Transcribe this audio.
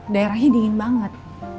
daerahnya dingin banget